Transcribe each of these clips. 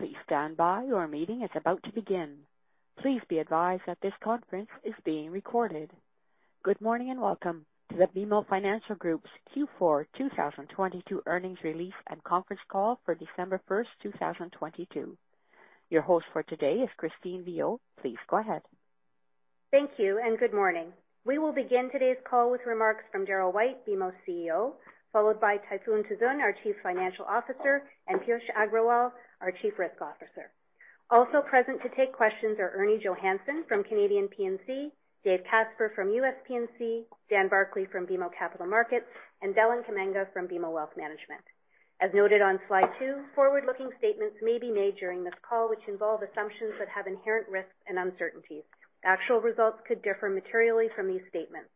Please stand by. Your meeting is about to begin. Please be advised that this conference is being recorded. Good morning and welcome to the BMO Financial Group's Q4 2022 earnings release and conference call for December 1st, 2022. Your host for today is Christine Viau. Please go ahead. Thank you. Good morning. We will begin today's call with remarks from Darryl White, BMO's CEO, followed by Tayfun Tuzun, our Chief Financial Officer, and Piyush Agrawal, our Chief Risk Officer. Also present to take questions are Ernie Johannson from Canadian P&C, Dave Casper from U.S. P&C, Dan Barclay from BMO Capital Markets, and Deland Kamanga from BMO Wealth Management. As noted on slide two, forward-looking statements may be made during this call which involve assumptions that have inherent risks and uncertainties. Actual results could differ materially from these statements.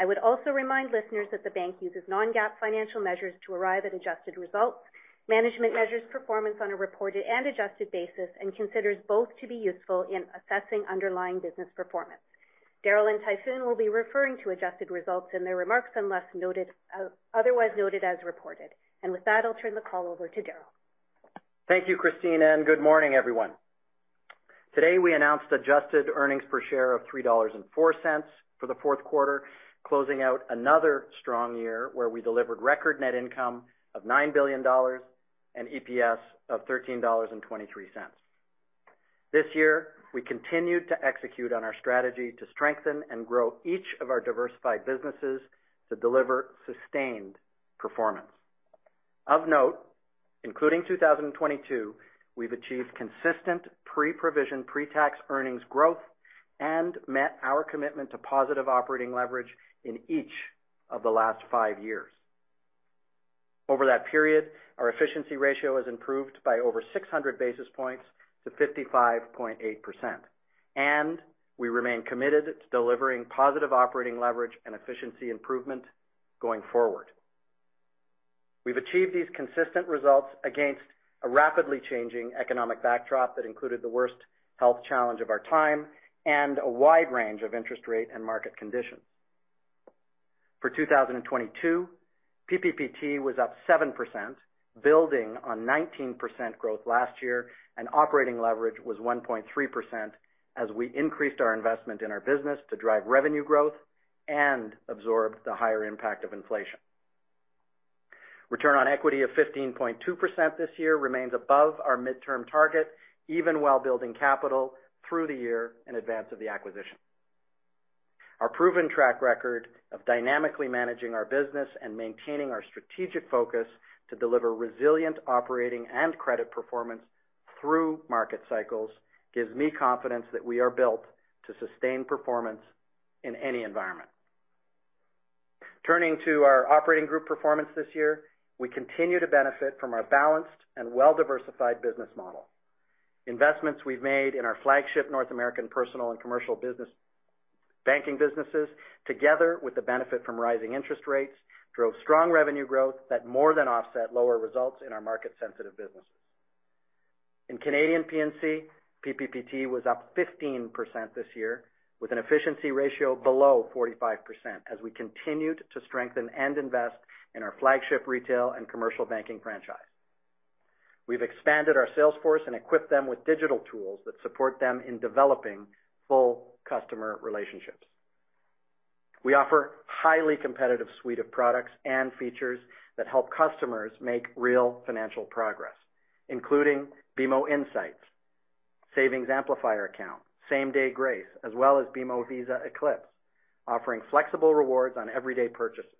I would also remind listeners that the bank uses non-GAAP financial measures to arrive at adjusted results. Management measures performance on a reported and adjusted basis and considers both to be useful in assessing underlying business performance. Darryl and Tayfun will be referring to adjusted results in their remarks unless otherwise noted as reported. With that, I'll turn the call over to Darryl. Thank you, Christine. Good morning, everyone. Today, we announced adjusted earnings per share of 3.04 dollars for the Q4, closing out another strong year where we delivered record net income of 9 billion dollars and EPS of 13.23 dollars. This year, we continued to execute on our strategy to strengthen and grow each of our diversified businesses to deliver sustained performance. Of note, including 2022, we've achieved consistent pre-provision, pre-tax earnings growth and met our commitment to positive operating leverage in each of the last five years. Over that period, our efficiency ratio has improved by over 600 basis points to 55.8%, and we remain committed to delivering positive operating leverage and efficiency improvement going forward. We've achieved these consistent results against a rapidly changing economic backdrop that included the worst health challenge of our time and a wide range of interest rate and market conditions. For 2022, PPPT was up 7%, building on 19% growth last year, and operating leverage was 1.3% as we increased our investment in our business to drive revenue growth and absorb the higher impact of inflation. Return on equity of 15.2% this year remains above our midterm target, even while building capital through the year in advance of the acquisition. Our proven track record of dynamically managing our business and maintaining our strategic focus to deliver resilient operating and credit performance through market cycles gives me confidence that we are built to sustain performance in any environment. Turning to our operating group performance this year, we continue to benefit from our balanced and well-diversified business model. Investments we've made in our flagship North American personal and commercial business banking businesses, together with the benefit from rising interest rates, drove strong revenue growth that more than offset lower results in our market-sensitive businesses. In Canadian P&C, PPPT was up 15% this year, with an efficiency ratio below 45% as we continued to strengthen and invest in our flagship retail and commercial banking franchise. We've expanded our sales force and equipped them with digital tools that support them in developing full customer relationships. We offer highly competitive suite of products and features that help customers make real financial progress, including BMO Insights, Savings Amplifier Account, Same Day Grace, as well as BMO Visa Eclipse, offering flexible rewards on everyday purchases.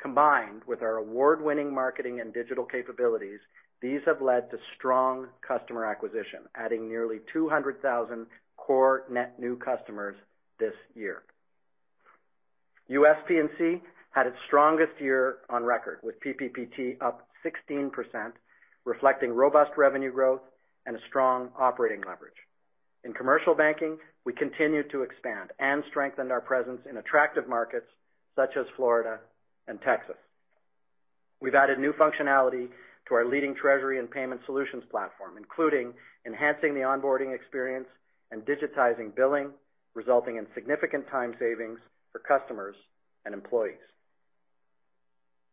Combined with our award-winning marketing and digital capabilities, these have led to strong customer acquisition, adding nearly 200,000 core net new customers this year. U.S. P&C had its strongest year on record, with PPPT up 16%, reflecting robust revenue growth and a strong operating leverage. In commercial banking, we continued to expand and strengthen our presence in attractive markets such as Florida and Texas. We've added new functionality to our leading treasury and payment solutions platform, including enhancing the onboarding experience and digitizing billing, resulting in significant time savings for customers and employees.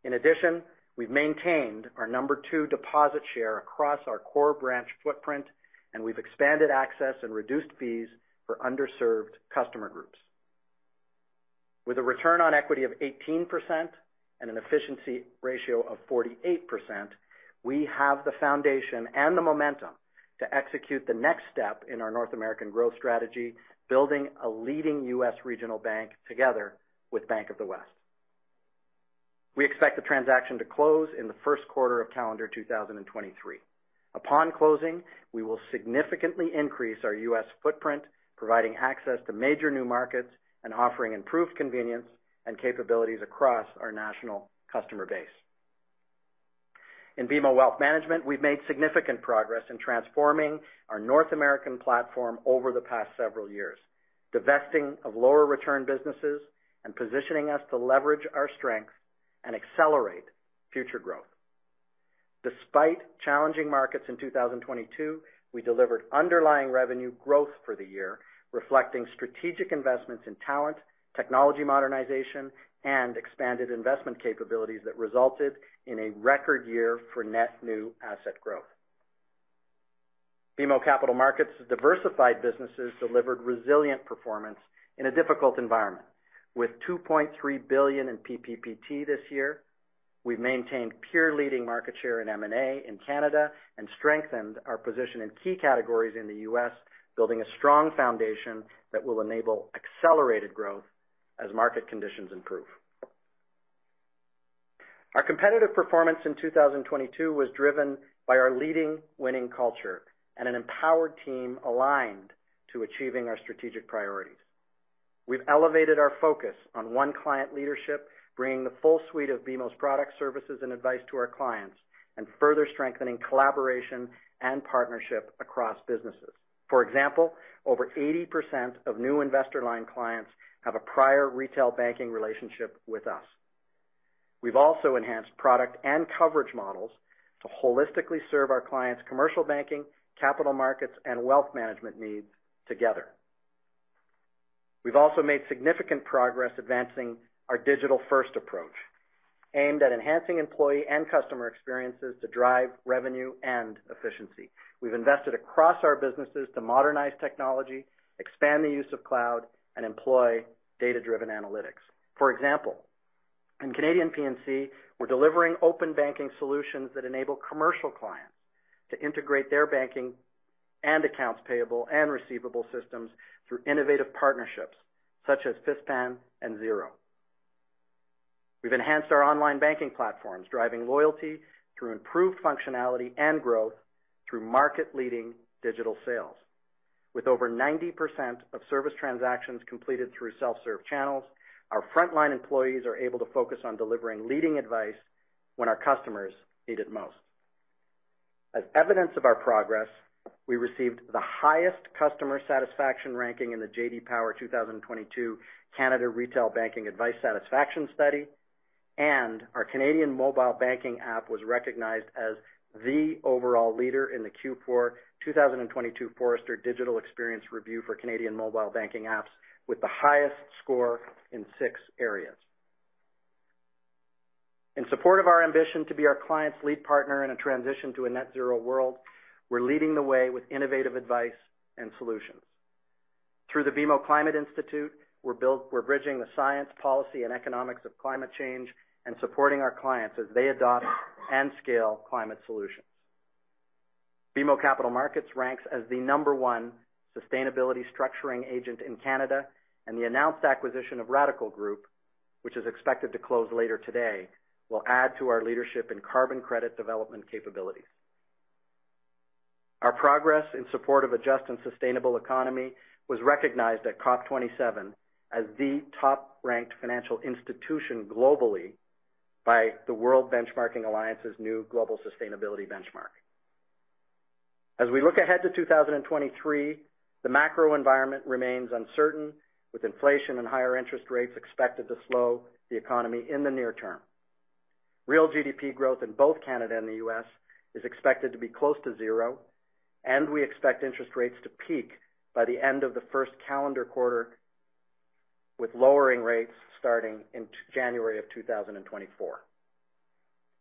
In addition, we've maintained our number two deposit share across our core branch footprint, and we've expanded access and reduced fees for underserved customer groups. With a return on equity of 18% and an efficiency ratio of 48%, we have the foundation and the momentum to execute the next step in our North American growth strategy, building a leading U.S. regional bank together with Bank of the West. We expect the transaction to close in the Q1 of calendar 2023. Upon closing, we will significantly increase our U.S. footprint, providing access to major new markets and offering improved convenience and capabilities across our national customer base. In BMO Wealth Management, we've made significant progress in transforming our North American platform over the past several years, divesting of lower return businesses and positioning us to leverage our strengths and accelerate future growth. Despite challenging markets in 2022, we delivered underlying revenue growth for the year, reflecting strategic investments in talent, technology modernization, and expanded investment capabilities that resulted in a record year for net new asset growth. BMO Capital Markets' diversified businesses delivered resilient performance in a difficult environment, with $2.3 billion in PPPT this year. We've maintained peer-leading market share in M&A in Canada and strengthened our position in key categories in the U.S., building a strong foundation that will enable accelerated growth as market conditions improve. Our competitive performance in 2022 was driven by our leading winning culture and an empowered team aligned to achieving our strategic priorities. We've elevated our focus on one client leadership, bringing the full suite of BMO's product services and advice to our clients, and further strengthening collaboration and partnership across businesses. For example, over 80% of new InvestorLine clients have a prior retail banking relationship with us. We've also enhanced product and coverage models to holistically serve our clients' commercial banking, capital markets, and wealth management needs together. We've also made significant progress advancing our digital-first approach, aimed at enhancing employee and customer experiences to drive revenue and efficiency. We've invested across our businesses to modernize technology, expand the use of cloud, and employ data-driven analytics. For example, in Canadian P&C, we're delivering open banking solutions that enable commercial clients to integrate their banking and accounts payable and receivable systems through innovative partnerships such as Fispan and Xero. We've enhanced our online banking platforms, driving loyalty through improved functionality and growth through market-leading digital sales. With over 90% of service transactions completed through self-serve channels, our frontline employees are able to focus on delivering leading advice when our customers need it most. As evidence of our progress, we received the highest customer satisfaction ranking in the J.D. Power 2022 Canada Retail Banking Advice Satisfaction Study, and our Canadian mobile banking app was recognized as the overall leader in the Q4 2022 Forrester Digital Experience Review for Canadian mobile banking apps with the highest score in six areas. In support of our ambition to be our client's lead partner in a transition to a net zero world, we're leading the way with innovative advice and solutions. Through the BMO Climate Institute, we're bridging the science, policy, and economics of climate change and supporting our clients as they adopt and scale climate solutions. BMO Capital Markets ranks as the number one sustainability structuring agent in Canada, and the announced acquisition of Radicle Group, which is expected to close later today, will add to our leadership in carbon credit development capabilities. Our progress in support of a just and sustainable economy was recognized at COP27 as the top-ranked financial institution globally by the World Benchmarking Alliance's new global sustainability benchmark. As we look ahead to 2023, the macro environment remains uncertain, with inflation and higher interest rates expected to slow the economy in the near term. Real GDP growth in both Canada and the U.S. is expected to be close to zero, and we expect interest rates to peak by the end of the first calendar quarter, with lowering rates starting in January of 2024.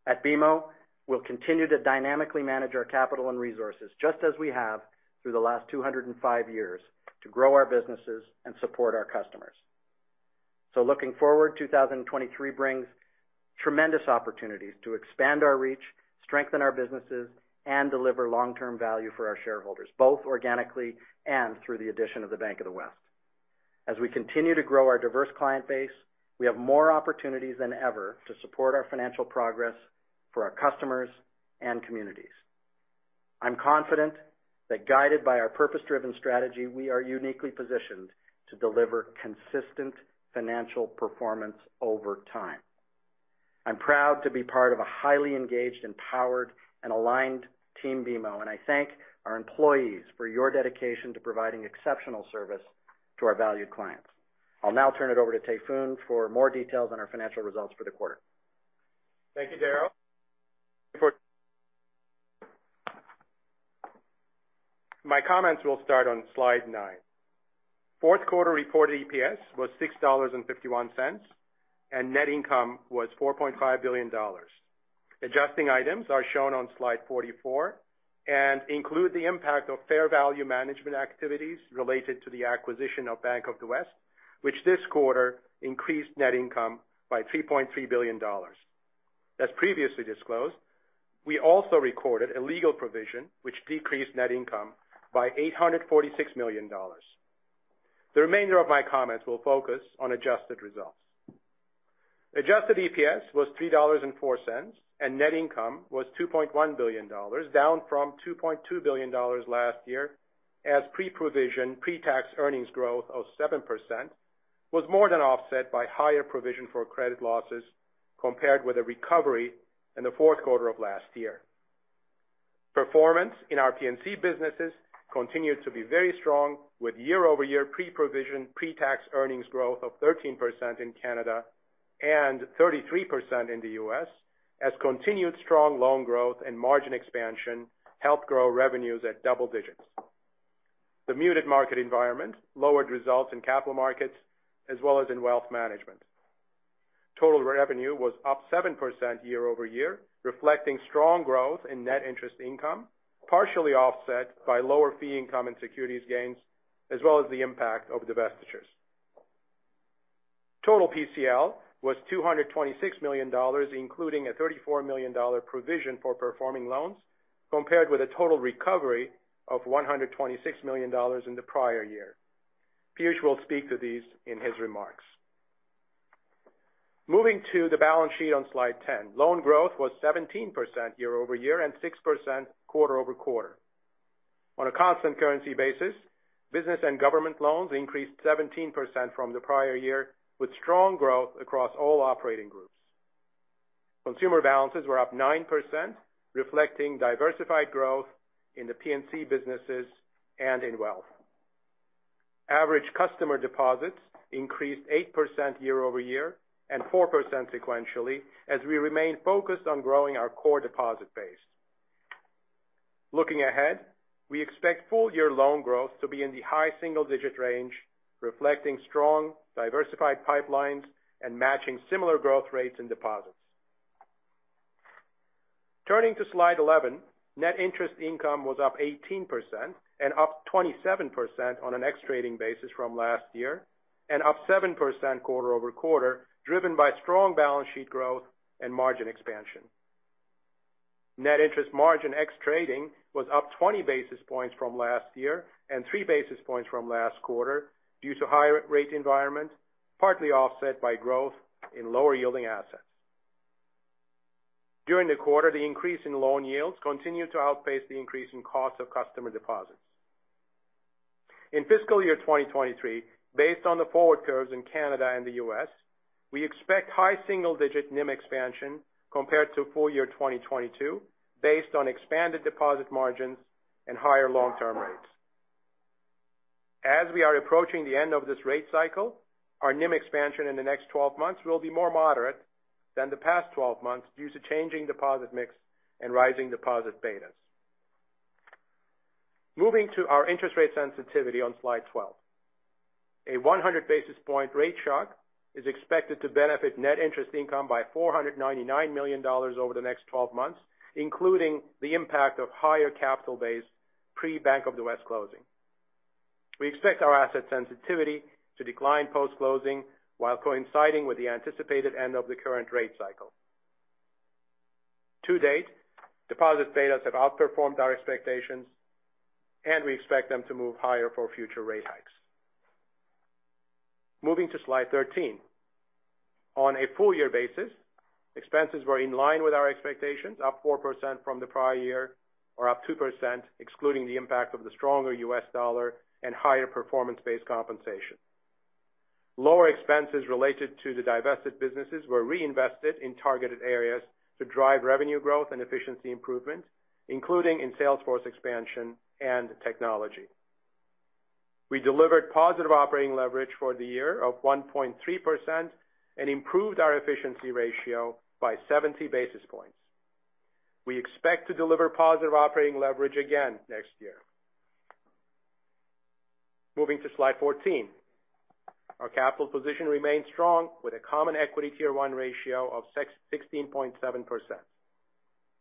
At BMO, we'll continue to dynamically manage our capital and resources, just as we have through the last 205 years to grow our businesses and support our customers. Looking forward, 2023 brings tremendous opportunities to expand our reach, strengthen our businesses, and deliver long-term value for our shareholders, both organically and through the addition of the Bank of the West. As we continue to grow our diverse client base, we have more opportunities than ever to support our financial progress for our customers and communities. I'm confident that guided by our purpose-driven strategy, we are uniquely positioned to deliver consistent financial performance over time. I'm proud to be part of a highly engaged, empowered, and aligned team BMO, and I thank our employees for your dedication to providing exceptional service to our valued clients. I'll now turn it over to Tayfun for more details on our financial results for the quarter. Thank you, Darryl. My comments will start on slide nine. Q4 reported EPS was 6.51 dollars, and net income was 4.5 billion dollars. Adjusting items are shown on slide 44 and include the impact of fair value management activities related to the acquisition of Bank of the West, which this quarter increased net income by 3.3 billion dollars. As previously disclosed, we also recorded a legal provision which decreased net income by 846 million dollars. The remainder of my comments will focus on adjusted results. Adjusted EPS was 3.04 dollars, and net income was 2.1 billion dollars, down from 2.2 billion dollars last year, as pre-provision, pre-tax earnings growth of 7% was more than offset by higher provision for credit losses compared with a recovery in the Q4 of last year. Performance in our PNC businesses continued to be very strong with year-over-year pre-provision, pre-tax earnings growth of 13% in Canada and 33% in the U.S. as continued strong loan growth and margin expansion helped grow revenues at double digits. The muted market environment lowered results in capital markets as well as in wealth management. Total revenue was up 7% year-over-year, reflecting strong growth in net interest income, partially offset by lower fee income and securities gains, as well as the impact of divestitures. Total PCL was 226 million dollars, including a 34 million dollar provision for performing loans, compared with a total recovery of 126 million dollars in the prior year. Piyush will speak to these in his remarks. Moving to the balance sheet on slide 10. Loan growth was 17% year-over-year and 6% quarter-over-quarter. On a constant currency basis, business and government loans increased 17% from the prior year, with strong growth across all operating groups. Consumer balances were up 9%, reflecting diversified growth in the P&C businesses and in Wealth. Average customer deposits increased 8% year-over-year and 4% sequentially as we remain focused on growing our core deposit base. Looking ahead, we expect full year loan growth to be in the high single-digit range, reflecting strong diversified pipelines and matching similar growth rates in deposits. Turning to slide 11. Net interest income was up 18% and up 27% on an x trading basis from last year, and up 7% quarter-over-quarter, driven by strong balance sheet growth and margin expansion. Net interest margin ex trading was up 20 basis points from last year and 3 basis points from last quarter due to higher rate environment, partly offset by growth in lower yielding assets. During the quarter, the increase in loan yields continued to outpace the increase in cost of customer deposits. In fiscal year 2023, based on the forward curves in Canada and the U.S., we expect high single-digit NIM expansion compared to full year 2022 based on expanded deposit margins and higher long-term rates. As we are approaching the end of this rate cycle, our NIM expansion in the next 12 months will be more moderate than the past 12 months due to changing deposit mix and rising deposit betas. Moving to our interest rate sensitivity on slide 12. A 100 basis point rate shock is expected to benefit net interest income by $499 million over the next 12 months, including the impact of higher capital base pre Bank of the West closing. We expect our asset sensitivity to decline post-closing while coinciding with the anticipated end of the current rate cycle. To date, deposit betas have outperformed our expectations and we expect them to move higher for future rate hikes. Moving to slide 13. On a full year basis, expenses were in line with our expectations, up 4% from the prior year or up 2% excluding the impact of the stronger US dollar and higher performance-based compensation. Lower expenses related to the divested businesses were reinvested in targeted areas to drive revenue growth and efficiency improvement, including in sales force expansion and technology. We delivered positive operating leverage for the year of 1.3% and improved our efficiency ratio by 70 basis points. We expect to deliver positive operating leverage again next year. Moving to slide 14. Our capital position remains strong with a Common Equity Tier 1 ratio of 16.7%.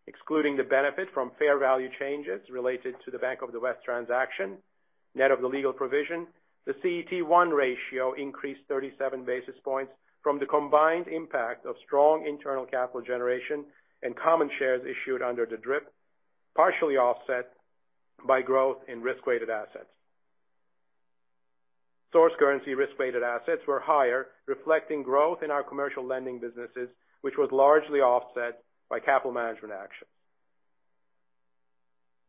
Excluding the benefit from fair value changes related to the Bank of the West transaction. Net of the legal provision, the CET1 ratio increased 37 basis points from the combined impact of strong internal capital generation and common shares issued under the DRIP, partially offset by growth in risk-weighted assets. Source currency risk-weighted assets were higher, reflecting growth in our commercial lending businesses, which was largely offset by capital management actions.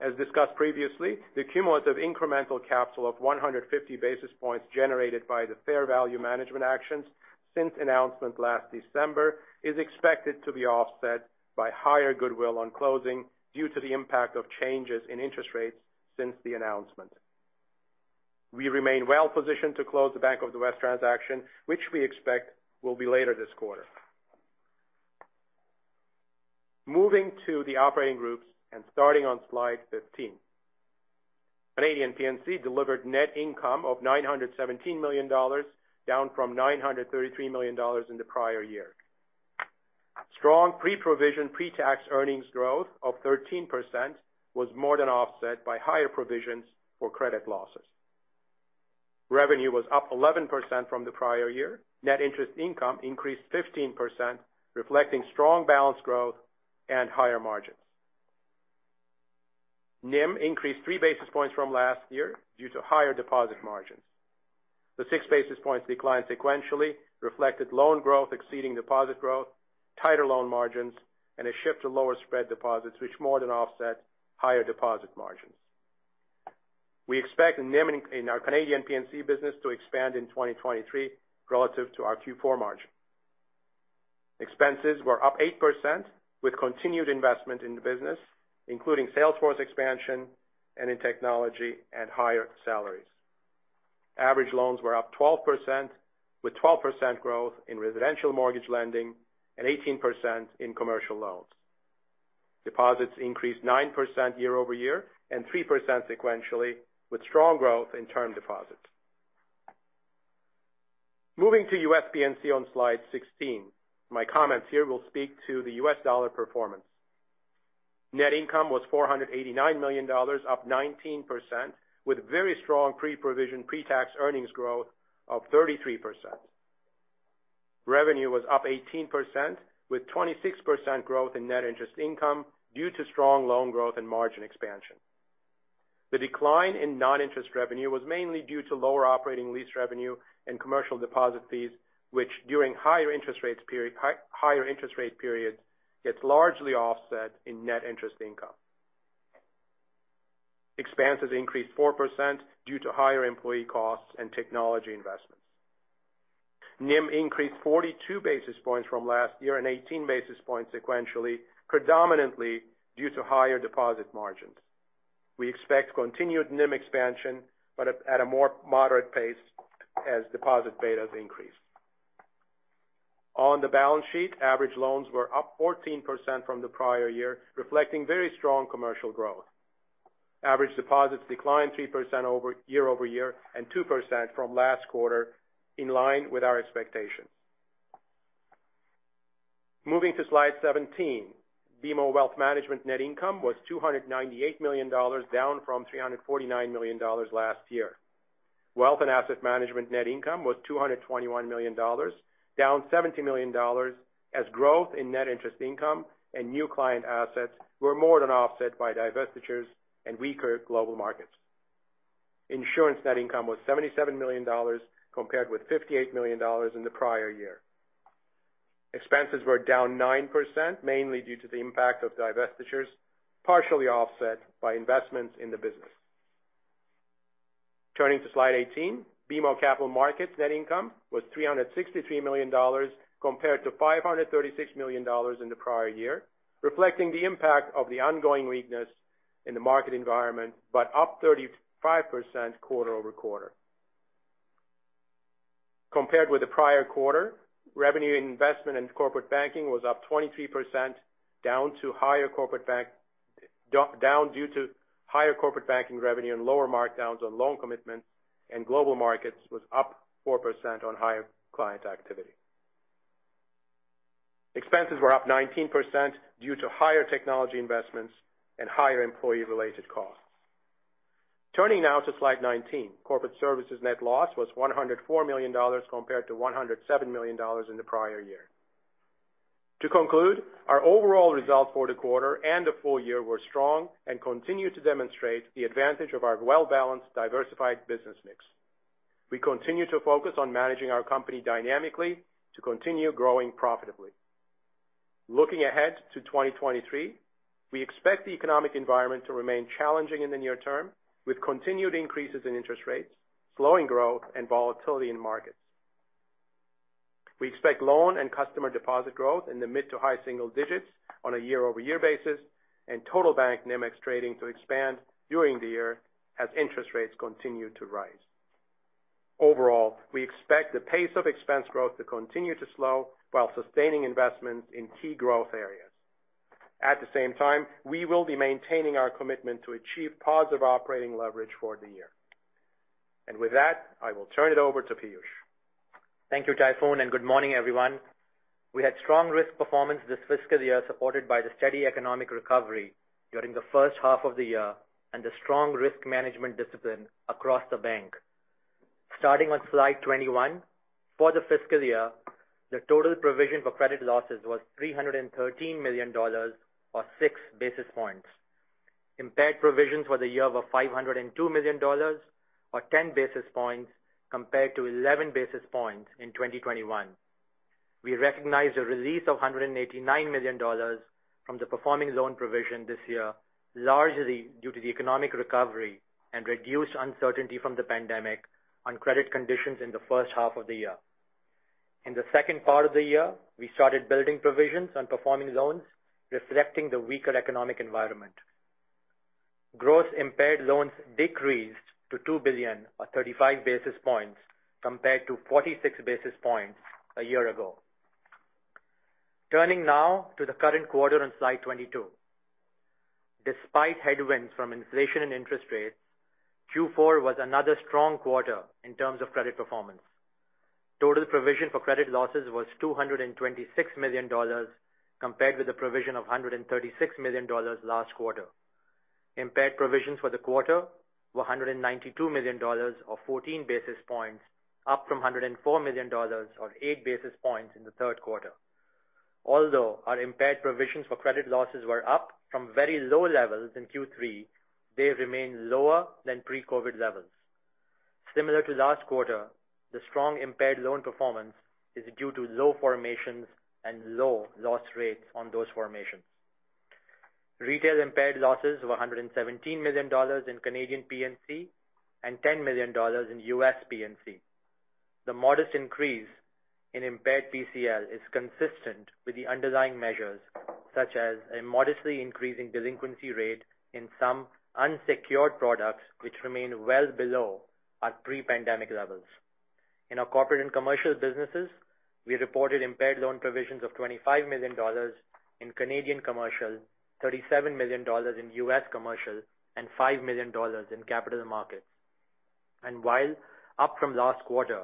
As discussed previously, the cumulative incremental capital of 150 basis points generated by the fair value management actions since announcement last December is expected to be offset by higher goodwill on closing due to the impact of changes in interest rates since the announcement. We remain well positioned to close the Bank of the West transaction, which we expect will be later this quarter. Moving to the operating groups and starting on slide 15. Canadian P&C delivered net income of 917 million dollars, down from 933 million dollars in the prior year. Strong pre-provision, pre-tax earnings growth of 13% was more than offset by higher provisions for credit losses. Revenue was up 11% from the prior year. Net interest income increased 15%, reflecting strong balance growth and higher margins. NIM increased 3 basis points from last year due to higher deposit margins. The 6 basis points decline sequentially reflected loan growth exceeding deposit growth, tighter loan margins, and a shift to lower spread deposits, which more than offset higher deposit margins. We expect NIM in our Canadian P&C business to expand in 2023 relative to our Q4 margin. Expenses were up 8% with continued investment in the business, including sales force expansion and in technology and higher salaries. Average loans were up 12%, with 12% growth in residential mortgage lending and 18% in commercial loans. Deposits increased 9% year-over-year and 3% sequentially, with strong growth in term deposits. Moving to U.S. P&C on slide 16. My comments here will speak to the US dollar performance. Net income was $489 million, up 19%, with very strong pre-provision, pre-tax earnings growth of 33%. Revenue was up 18%, with 26% growth in net interest income due to strong loan growth and margin expansion. The decline in non-interest revenue was mainly due to lower operating lease revenue and commercial deposit fees, which during higher interest rates period, higher interest rate periods gets largely offset in net interest income. Expenses increased 4% due to higher employee costs and technology investments. NIM increased 42 basis points from last year and 18 basis points sequentially, predominantly due to higher deposit margins. We expect continued NIM expansion, but at a more moderate pace as deposit betas increase. On the balance sheet, average loans were up 14% from the prior year, reflecting very strong commercial growth. Average deposits declined 3% year-over-year and 2% from last quarter, in line with our expectations. Moving to slide 17. BMO Wealth Management net income was $298 million, down from $349 million last year. Wealth and asset management net income was $221 million, down $70 million as growth in net interest income and new client assets were more than offset by divestitures and weaker global markets. Insurance net income was 77 million dollars, compared with 58 million dollars in the prior year. Expenses were down 9%, mainly due to the impact of divestitures, partially offset by investments in the business. Turning to slide 18. BMO Capital Markets net income was 363 million dollars compared to 536 million dollars in the prior year, reflecting the impact of the ongoing weakness in the market environment but up 35% quarter-over-quarter. Compared with the prior quarter, revenue investment in corporate banking was up 23% down to higher corporate banking revenue and lower markdowns on loan commitments. Global markets was up 4% on higher client activity. Expenses were up 19% due to higher technology investments and higher employee related costs. Turning now to slide 19. Corporate services net loss was 104 million dollars compared to 107 million dollars in the prior year. To conclude, our overall results for the quarter and the full year were strong and continue to demonstrate the advantage of our well-balanced, diversified business mix. We continue to focus on managing our company dynamically to continue growing profitably. Looking ahead to 2023, we expect the economic environment to remain challenging in the near term, with continued increases in interest rates, slowing growth, and volatility in markets. We expect loan and customer deposit growth in the mid to high single digits on a year-over-year basis, and total bank NIM ex-trading to expand during the year as interest rates continue to rise. Overall, we expect the pace of expense growth to continue to slow while sustaining investments in key growth areas. At the same time, we will be maintaining our commitment to achieve positive operating leverage for the year. With that, I will turn it over to Piyush. Thank you, Tayfun, good morning, everyone. We had strong risk performance this fiscal year supported by the steady economic recovery during the first half of the year and the strong risk management discipline across the bank. Starting on slide 21, for the fiscal year, the total provision for credit losses was $313 million or 6 basis points. Impaired provisions for the year were $502 million or 10 basis points compared to 11 basis points in 2021. We recognized a release of $189 million from the performing loan provision this year, largely due to the economic recovery and reduced uncertainty from the pandemic on credit conditions in the first half of the year. In the second part of the year, we started building provisions on performing loans, reflecting the weaker economic environment. Gross impaired loans decreased to $2 billion or 35 basis points compared to 46 basis points a year ago. Turning now to the current quarter on slide 22. Despite headwinds from inflation and interest rates, Q4 was another strong quarter in terms of credit performance. Total provision for credit losses was $226 million compared with the provision of $136 million last quarter. Impaired provisions for the quarter were $192 million or 14 basis points, up from $104 million or 8 basis points in the Q3. Although our impaired provisions for credit losses were up from very low levels in Q3, they remain lower than pre-COVID levels. Similar to last quarter, the strong impaired loan performance is due to low formations and low loss rates on those formations. Retail impaired losses were 117 million dollars in Canadian P&C and $10 million in U.S. P&C. The modest increase in impaired PCL is consistent with the underlying measures, such as a modestly increasing delinquency rate in some unsecured products, which remain well below our pre-pandemic levels. In our corporate and commercial businesses, we reported impaired loan provisions of 25 million dollars in Canadian commercial, $37 million in US commercial and 5 million dollars in capital markets. While up from last quarter,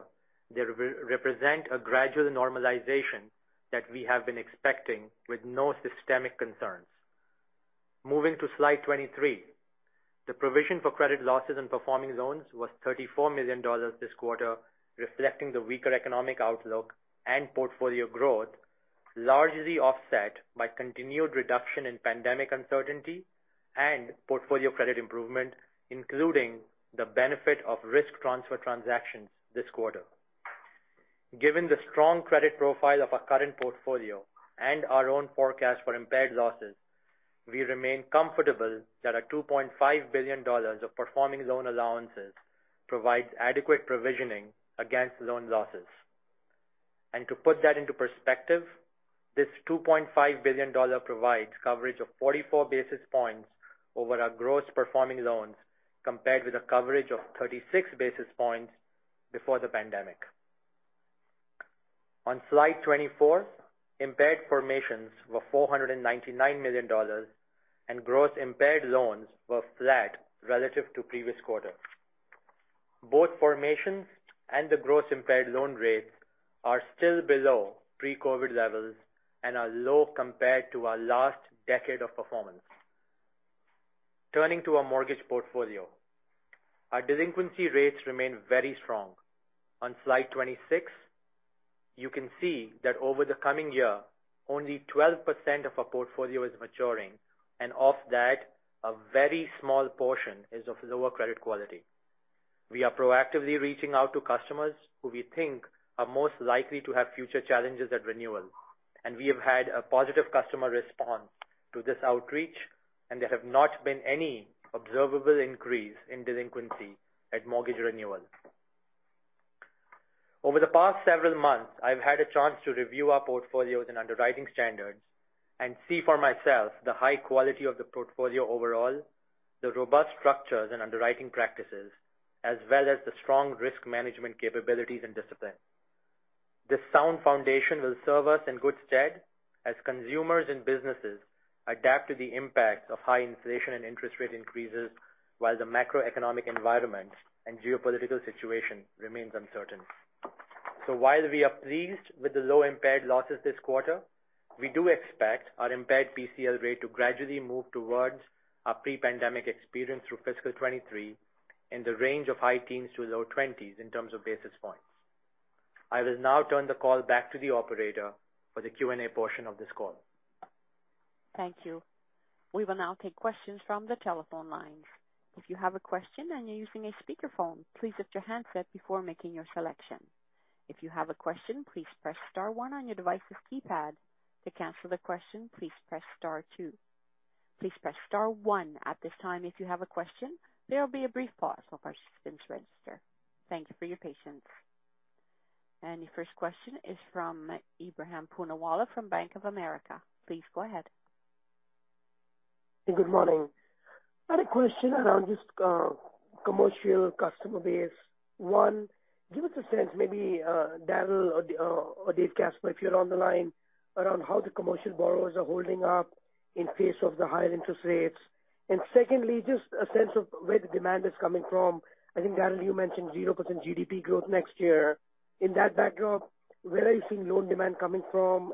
they re-represent a gradual normalization that we have been expecting with no systemic concerns. Moving to slide 23. The provision for credit losses and performing loans was 34 million dollars this quarter, reflecting the weaker economic outlook and portfolio growth, largely offset by continued reduction in pandemic uncertainty and portfolio credit improvement, including the benefit of risk transfer transactions this quarter. Given the strong credit profile of our current portfolio and our own forecast for impaired losses, we remain comfortable that our 2.5 billion dollars of performing loan allowances provides adequate provisioning against loan losses. To put that into perspective, this 2.5 billion dollar provides coverage of 44 basis points over our gross performing loans, compared with a coverage of 36 basis points before the pandemic. On slide 24, impaired formations were 499 million dollars, and gross impaired loans were flat relative to previous quarter. Both formations and the gross impaired loan rates are still below pre-COVID levels and are low compared to our last decade of performance. Turning to our mortgage portfolio, our delinquency rates remain very strong. On slide 26, you can see that over the coming year, only 12% of our portfolio is maturing, and of that, a very small portion is of lower credit quality. We are proactively reaching out to customers who we think are most likely to have future challenges at renewal, and we have had a positive customer response to this outreach, and there have not been any observable increase in delinquency at mortgage renewal. Over the past several months, I've had a chance to review our portfolios and underwriting standards and see for myself the high quality of the portfolio overall, the robust structures and underwriting practices, as well as the strong risk management capabilities and discipline. This sound foundation will serve us in good stead as consumers and businesses adapt to the impacts of high inflation and interest rate increases while the macroeconomic environment and geopolitical situation remains uncertain. While we are pleased with the low impaired losses this quarter, we do expect our impaired PCL rate to gradually move towards our pre-pandemic experience through fiscal 2023 in the range of high teens to low twenties in terms of basis points. I will now turn the call back to the operator for the Q&A portion of this call. Thank you. We will now take questions from the telephone lines. If you have a question and you're using a speakerphone, please mute your handset before making your selection. If you have a question, please press star one on your device's keypad. To cancel the question, please press star two. Please press star one at this time if you have a question. There will be a brief pause while participants register. Thank you for your patience. The first question is from Ebrahim Poonawala from Bank of America. Please go ahead. Good morning. I had a question around just, commercial customer base. One, give us a sense, maybe, Darryl or David Casper, if you're on the line, around how the commercial borrowers are holding up in case of the higher interest rates. Secondly, just a sense of where the demand is coming from. I think, Darryl, you mentioned 0% GDP growth next year. In that backdrop, where are you seeing loan demand coming from?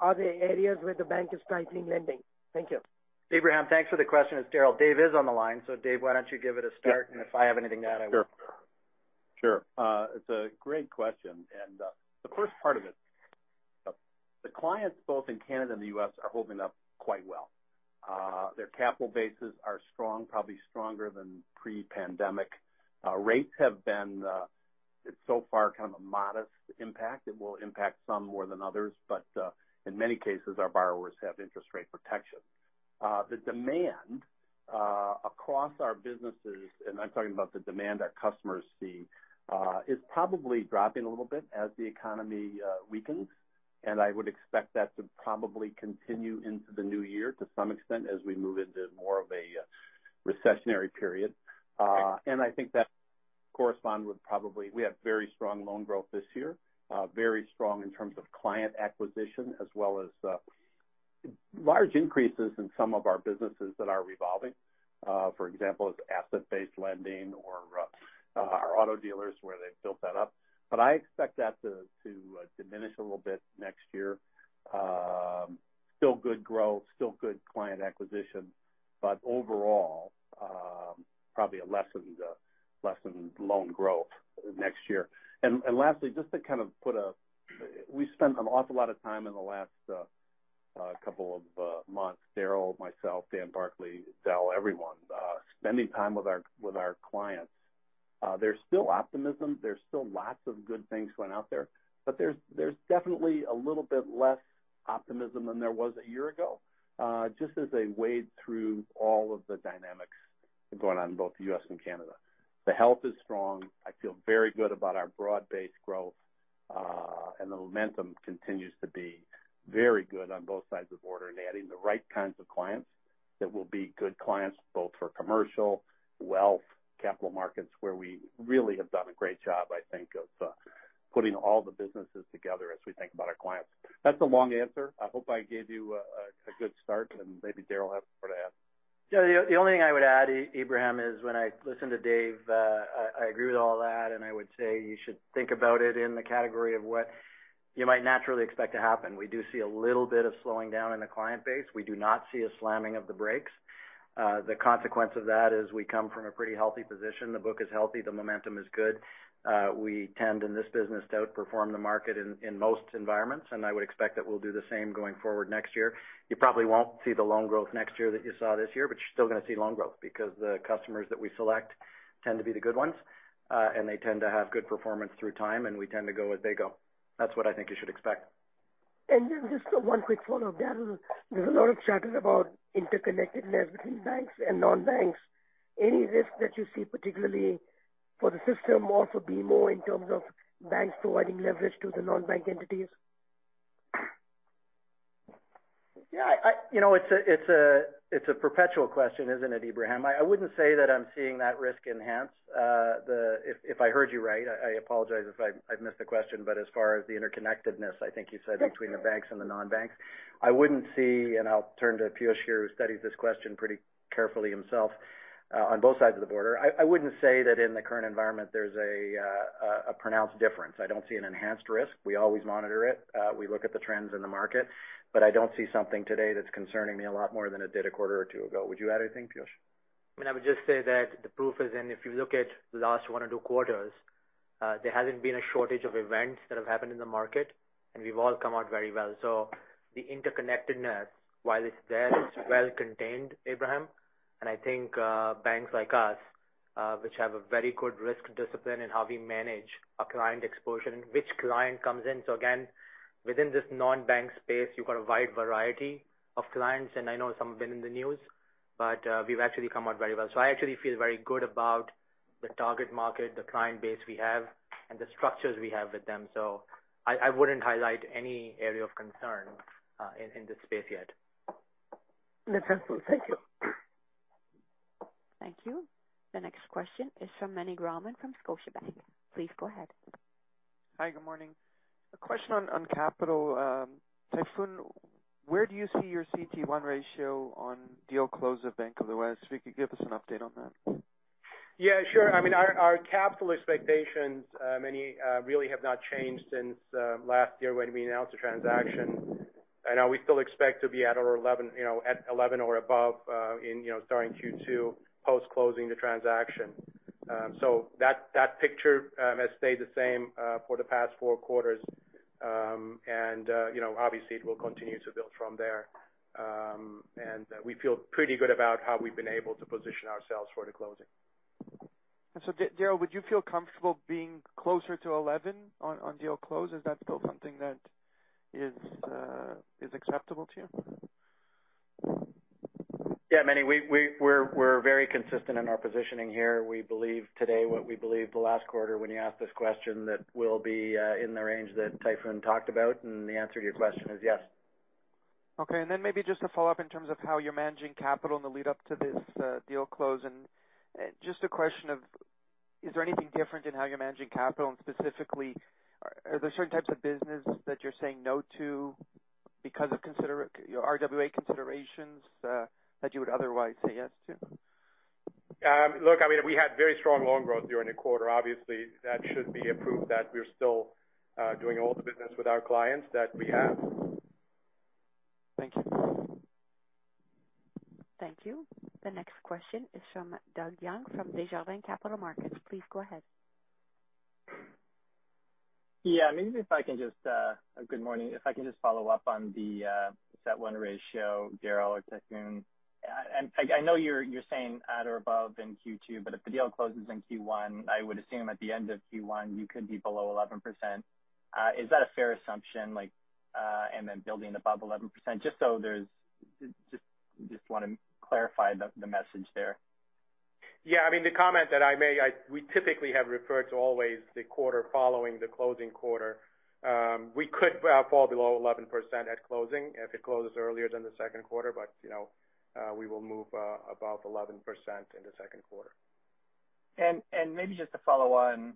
Are there areas where the bank is tightening lending? Thank you. Ebrahim, thanks for the question. It's Darryl. Dave is on the line. Dave, why don't you give it a start? If I have anything to add, I will. Sure. Sure. It's a great question. The first part of it, the clients both in Canada and the U.S. are holding up quite well. Their capital bases are strong, probably stronger than pre-pandemic. Rates have been so far kind of a modest impact. It will impact some more than others, but in many cases, our borrowers have interest rate protection. The demand across our businesses, and I'm talking about the demand our customers see, is probably dropping a little bit as the economy weakens. I would expect that to probably continue into the new year to some extent as we move into more of a recessionary period. I think that correspond with We have very strong loan growth this year, very strong in terms of client acquisition as well as large increases in some of our businesses that are revolving. For example, asset-based lending or our auto dealers where they've built that up. I expect that to diminish a little bit next year. Still good growth, still good client acquisition, but overall, probably a lessened loan growth next year. Lastly, just to kind of put a. We spent an awful lot of time in the last couple of months, Darryl, myself, Dan Barclay, Deland, everyone spending time with our, with our clients. There's still optimism. There's still lots of good things going out there. There's definitely a little bit less optimism than there was a year ago, just as they wade through all of the dynamics. Going on in both the U.S. and Canada. The health is strong. I feel very good about our broad-based growth. The momentum continues to be very good on both sides of the border, and adding the right kinds of clients that will be good clients, both for commercial, wealth, capital markets, where we really have done a great job, I think, of putting all the businesses together as we think about our clients. That's a long answer. I hope I gave you a good start, and maybe Darryl has more to add. Yeah, the only thing I would add Ebrahim, is when I listen to David Casper, I agree with all that, and I would say you should think about it in the category of what you might naturally expect to happen. We do see a little bit of slowing down in the client base. We do not see a slamming of the brakes. The consequence of that is we come from a pretty healthy position. The book is healthy, the momentum is good. We tend, in this business, to outperform the market in most environments, and I would expect that we'll do the same going forward next year. You probably won't see the loan growth next year that you saw this year, but you're still gonna see loan growth because the customers that we select tend to be the good ones, and they tend to have good performance through time, and we tend to go as they go. That's what I think you should expect. Just one quick follow-up. Darryl, there's a lot of chatter about interconnectedness between banks and non-banks. Any risk that you see, particularly for the system, also BMO in terms of banks providing leverage to the non-bank entities? Yeah, you know, it's a, it's a, it's a perpetual question, isn't it, Ibrahim? I wouldn't say that I'm seeing that risk enhanced. If I heard you right, I apologize if I've missed the question, but as far as the interconnectedness, I think you said between the banks and the non-banks. I wouldn't see, and I'll turn to Piyush here, who studies this question pretty carefully himself, on both sides of the border. I wouldn't say that in the current environment there's a pronounced difference. I don't see an enhanced risk. We always monitor it. We look at the trends in the market, but I don't see something today that's concerning me a lot more than it did a quarter or two ago. Would you add anything, Piyush? I mean, I would just say that the proof is in, if you look at the last one or two quarters, there hasn't been a shortage of events that have happened in the market, and we've all come out very well. The interconnectedness, while it's there, it's well contained, Ebrahim. I think banks like us, which have a very good risk discipline in how we manage our client exposure and which client comes in. Again, within this non-bank space, you've got a wide variety of clients, and I know some have been in the news, but we've actually come out very well. I actually feel very good about the target market, the client base we have, and the structures we have with them. I wouldn't highlight any area of concern in this space yet. That's helpful. Thank you. Thank you. The next question is from Meny Grauman from Scotiabank. Please go ahead. Hi, good morning. A question on capital. Tayfun, where do you see your CET1 ratio on deal close of Bank of the West? If you could give us an update on that. Sure. I mean, our capital expectations, many really have not changed since last year when we announced the transaction. I know we still expect to be at our 11, you know, at 11 or above, in, you know, starting Q2 post-closing the transaction. That picture has stayed the same for the past four quarters. You know, obviously it will continue to build from there. We feel pretty good about how we've been able to position ourselves for the closing. Darryl, would you feel comfortable being closer to 11 on deal close? Is that still something that is acceptable to you? Yeah, Meny, we're very consistent in our positioning here. We believe today what we believed the last quarter when you asked this question, that we'll be in the range that Tayfun talked about. The answer to your question is yes. Okay. Then maybe just a follow-up in terms of how you're managing capital in the lead up to this deal close and just a question of, is there anything different in how you're managing capital? Specifically, are there certain types of business that you're saying no to because of RWA considerations that you would otherwise say yes to? Look, I mean, we had very strong loan growth during the quarter. Obviously, that should be a proof that we're still doing all the business with our clients that we have. Thank you. Thank you. The next question is from Doug Young from Desjardins Capital Markets. Please go ahead. Yeah, maybe if I can just. Good morning. If I can just follow up on the CET1 ratio, Darryl or Tayfun? I know you're saying at or above in Q2, but if the deal closes in Q1, I would assume at the end of Q1, you could be below 11%. Is that a fair assumption, like, and then building above 11%? Just wanna clarify the message there. Yeah, I mean, the comment that I made, we typically have referred to always the quarter following the closing quarter. We could fall below 11% at closing if it closes earlier than the Q2, but, you know, we will move above 11% in the Q2. And maybe just to follow on,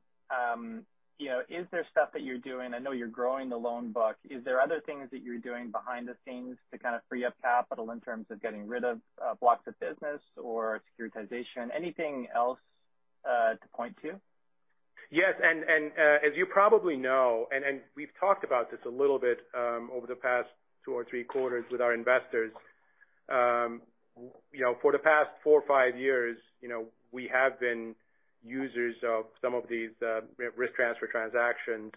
you know, is there stuff that you're doing? I know you're growing the loan book. Is there other things that you're doing behind the scenes to kind of free up capital in terms of getting rid of blocks of business or securitization? Anything else to point to? Yes, and as you probably know, and we've talked about this a little bit, over the past two or three quarters with our investors. You know, for the past four or five years, you know, we have been users of some of these risk transfer transactions.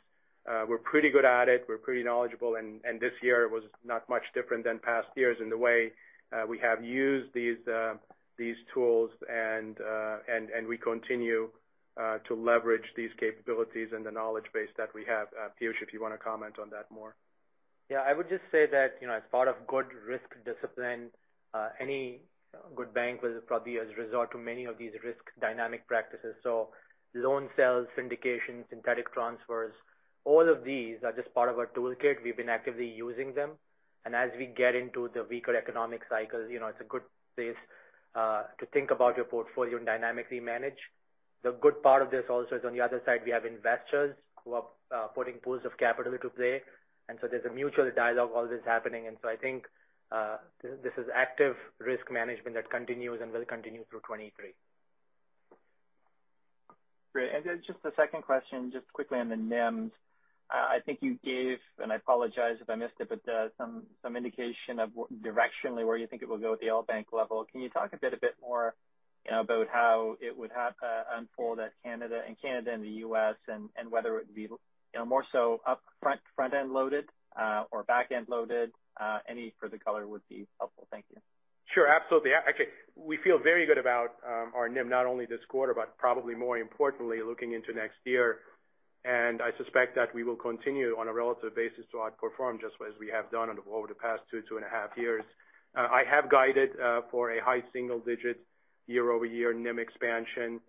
We're pretty good at it. We're pretty knowledgeable. This year was not much different than past years in the way we have used these tools. We continue to leverage these capabilities and the knowledge base that we have. Piyush, if you wanna comment on that more. Yeah, I would just say that, you know, as part of good risk discipline, any good bank will probably resort to many of these risk dynamic practices. Loan sales, syndications, synthetic transfers, all of these are just part of our toolkit. We've been actively using them and as we get into the weaker economic cycles, you know, it's a good place to think about your portfolio and dynamically manage. The good part of this also is on the other side, we have investors who are putting pools of capital into play, there's a mutual dialogue always happening. I think, this is active risk management that continues and will continue through 2023. Great. Just a second question, just quickly on the NIMs. I think you gave, and I apologize if I missed it, but, some indication of directionally where you think it will go at the all bank level. Can you talk a bit more, you know, about how it would unfold in Canada and the U.S. and whether it would be, you know, more so upfront, front-end loaded, or back-end loaded? Any further color would be helpful. Thank you. Sure, absolutely. actually, we feel very good about our NIM, not only this quarter, but probably more importantly looking into next year. I suspect that we will continue on a relative basis to outperform just as we have done over the past two and a half years. I have guided for a high single-digit year-over-year NIM expansion.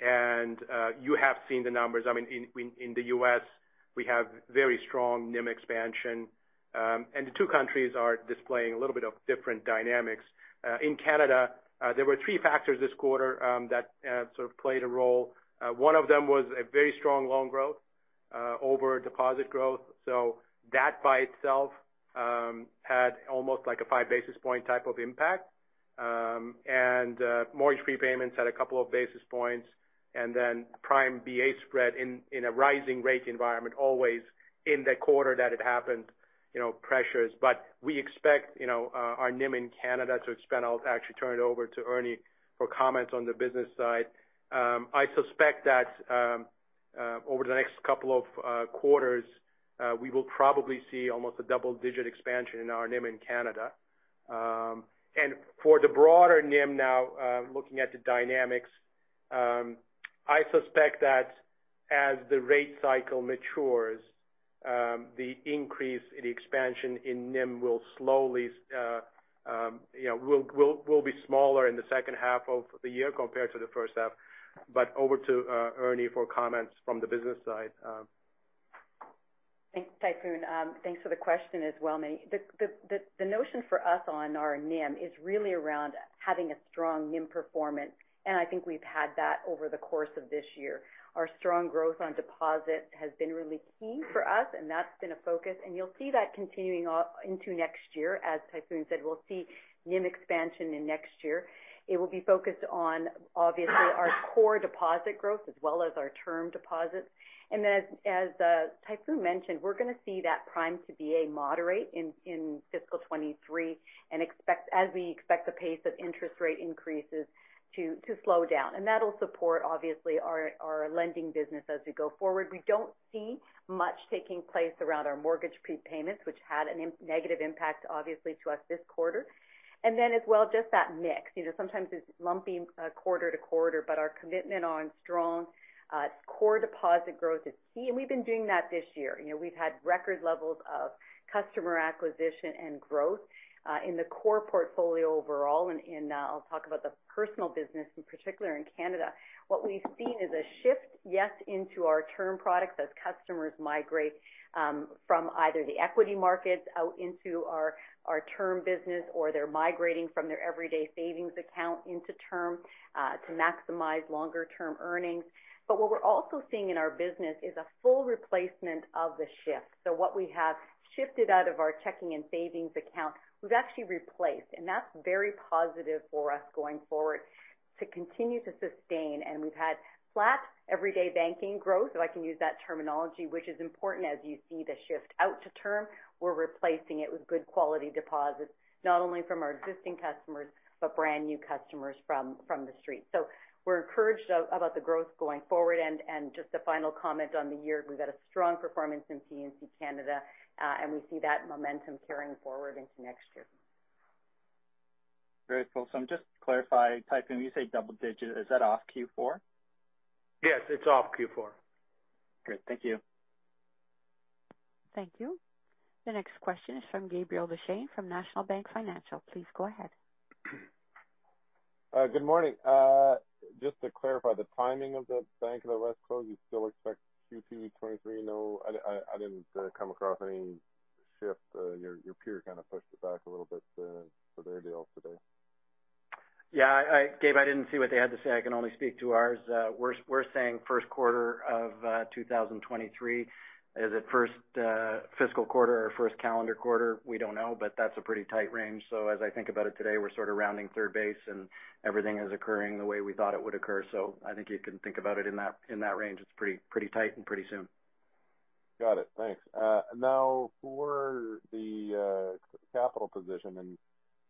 You have seen the numbers. I mean, in the U.S., we have very strong NIM expansion, and the two countries are displaying a little bit of different dynamics. In Canada, there were three factors this quarter that sort of played a role. One of them was a very strong loan growth over deposit growth. That by itself had almost like a 5 basis point type of impact. And mortgage prepayments had a couple of basis points and then prime BA spread in a rising rate environment, always in the quarter that it happened, you know, pressures. We expect, you know, our NIM in Canada to expand. I'll actually turn it over to Ernie for comments on the business side. I suspect that over the next couple of quarters, we will probably see almost a double digit expansion in our NIM in Canada. And for the broader NIM now, looking at the dynamics, I suspect that as the rate cycle matures, the increase in the expansion in NIM will slowly, you know, will be smaller in the second half of the year compared to the first half. Over to Ernie for comments from the business side. Thanks, Tayfun. Thanks for the question as well, Meny. The notion for us on our NIM is really around having a strong NIM performance, and I think we've had that over the course of this year. Our strong growth on deposit has been really key for us, and that's been a focus, and you'll see that continuing into next year. As Tayfun said, we'll see NIM expansion in next year. It will be focused on obviously our core deposit growth as well as our term deposits. Then as Tayfun mentioned, we're gonna see that prime to BA moderate in fiscal 2023 as we expect the pace of interest rate increases to slow down. That'll support obviously our lending business as we go forward. We don't see much taking place around our mortgage prepayments, which had a negative impact obviously to us this quarter. As well, just that mix. You know, sometimes it's lumpy, quarter-to-quarter, but our commitment on strong, core deposit growth is key. We've been doing that this year. You know, we've had record levels of customer acquisition and growth in the core portfolio overall. I'll talk about the personal business in particular in Canada. What we've seen is a shift, yes, into our term products as customers migrate from either the equity markets out into our term business or they're migrating from their everyday savings account into term to maximize longer term earnings. What we're also seeing in our business is a full replacement of the shift. What we have shifted out of our checking and savings account, we've actually replaced, and that's very positive for us going forward to continue to sustain. We've had flat everyday banking growth, if I can use that terminology, which is important as you see the shift out to term. We're replacing it with good quality deposits, not only from our existing customers, but brand new customers from the street. We're encouraged about the growth going forward. Just a final comment on the year, we've had a strong performance in P&C Canada and we see that momentum carrying forward into next year. Very cool. Just to clarify, Tayfun, you say double digit, is that off Q4? Yes, it's off Q4. Great. Thank you. Thank you. The next question is from Gabriel Dechaine from National Bank Financial. Please go ahead. Good morning. Just to clarify the timing of the Bank of the West close, you still expect Q2 2023? No, I didn't come across any shift. Your peer kind of pushed it back a little bit for their deal today. I, Gabe, I didn't see what they had to say. I can only speak to ours. We're saying Q1 of 2023. Is it first fiscal quarter or first calendar quarter? We don't know, but that's a pretty tight range. As I think about it today, we're sort of rounding third base and everything is occurring the way we thought it would occur. I think you can think about it in that, in that range. It's pretty tight and pretty soon. Got it. Thanks. Now for the capital position and,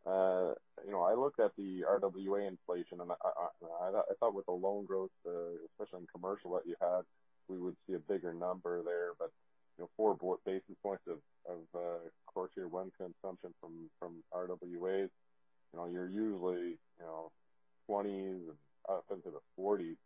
you know, I looked at the RWA inflation and I thought with the loan growth, especially in commercial that you had, we would see a bigger number there. You know, four basis points of Core Tier 1 consumption from RWAs, you know, you're usually, you know, twenties up into the forties.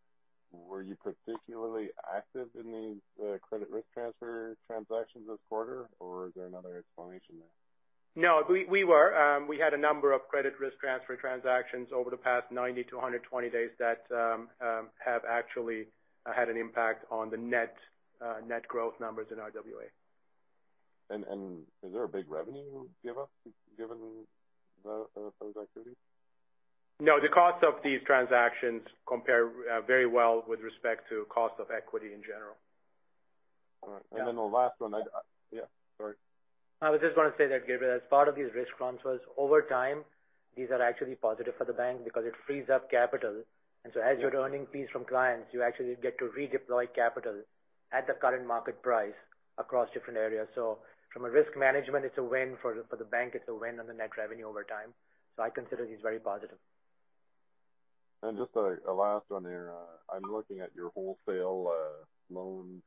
Were you particularly active in these credit risk transfer transactions this quarter or is there another explanation there? We were. We had a number of credit risk transfer transactions over the past 90 to 120 days that have actually had an impact on the net growth numbers in our RWA. Is there a big revenue give up given the those activities? No, the cost of these transactions compare very well with respect to cost of equity in general. All right. The last one I'd, yeah, sorry. I just want to say that, Gabriel, as part of these risk transfers, over time these are actually positive for the bank because it frees up capital. As you're earning fees from clients, you actually get to redeploy capital at the current market price across different areas. From a risk management, it's a win for the bank, it's a win on the net revenue over time. I consider these very positive. Just a last one here. I'm looking at your wholesale loans,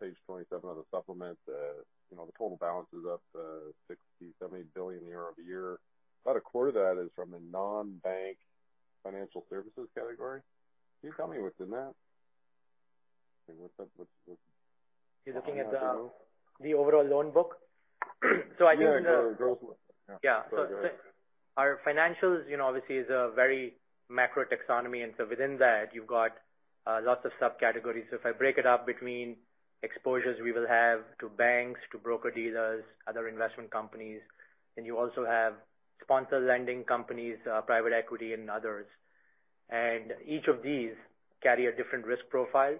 page 27 of the supplement. You know, the total balance is up 60, 70 billion year-over-year. About a quarter of that is from the non-bank financial services category. Can you tell me what's in that? I mean, what's up with- You're looking at the overall loan book? Yeah. The growth. Yeah, you know, obviously is a very macro taxonomy. And within that you've got lots of subcategories. If I break it up between exposures we will have to banks, to broker-dealers, other investment companies, then you also have sponsor lending companies, private equity and others. Each of these carry a different risk profile.